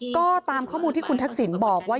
ก็ตามข้อมูลที่คุณทักษิณบอกว่า